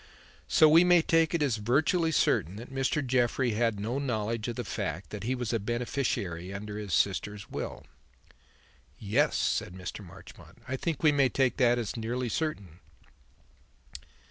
So we may take it as virtually certain that Mr. Jeffrey had no knowledge of the fact that he was a beneficiary under his sister's will." "Yes," said Mr. Marchmont, "I think we may take that as nearly certain."